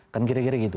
kan kira kira gitu